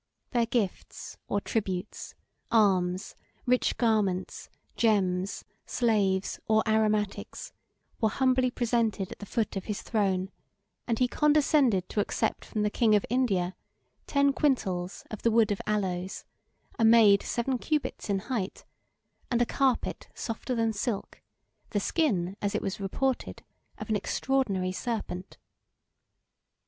Their gifts or tributes, arms, rich garments, gems, slaves or aromatics, were humbly presented at the foot of his throne; and he condescended to accept from the king of India ten quintals of the wood of aloes, a maid seven cubits in height, and a carpet softer than silk, the skin, as it was reported, of an extraordinary serpent.